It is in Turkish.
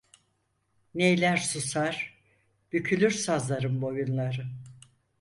Neyler susar bükülür sazların boyunları.